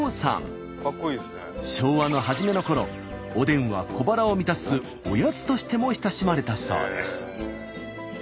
昭和の初めのころおでんは小腹を満たすおやつとしても親しまれたそうです。